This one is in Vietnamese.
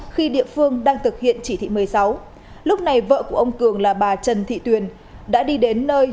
khi địa phương đang thực hiện chỉ thị một mươi sáu lúc này vợ của ông cường là bà trần thị tuyền đã đi đến nơi